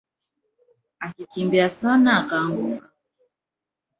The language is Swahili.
Alikimbia sana akaanguka